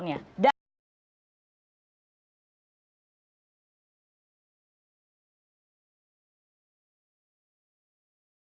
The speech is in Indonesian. dan ini adalah pertanyaan dari ridwan kamil